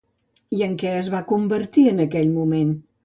I en què es va convertir en aquell moment?